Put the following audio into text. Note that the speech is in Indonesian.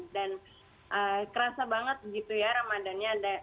dan kerasa banget gitu ya ramadhan nya ada